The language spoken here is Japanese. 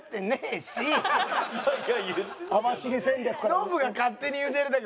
ノブが勝手に言うてるだけ。